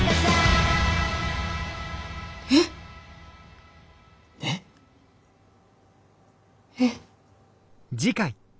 えっ？えっ？えっ？